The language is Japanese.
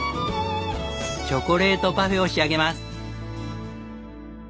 チョコレートパフェを仕上げます。